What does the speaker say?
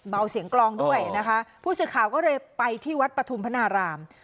เบาเสียงกลองด้วยนะคะผู้สิบข่าก็เลยไปที่วัฒน์ประธุมภนราม